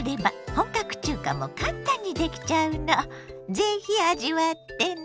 ぜひ味わってね！